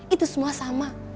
itu semua sama